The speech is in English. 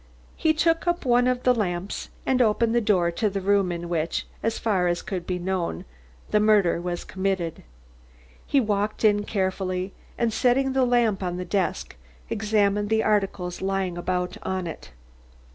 He took up one of the lamps and opened the door to the room in which, as far as could be known, the murder had been committed. He walked in carefully and, setting the lamp on the desk, examined the articles lying about on it.